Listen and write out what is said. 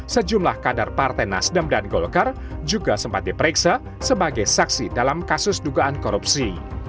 sejumlah kader partai nasdem dan golkar juga sempat diperiksa sebagai saksi dalam kasus dugaan korupsi